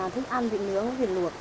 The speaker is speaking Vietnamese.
thích ăn vịt nướng vịt luộc